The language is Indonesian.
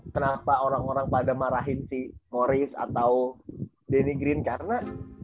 kenapa orang orang pada marahin si norice atau denny green karena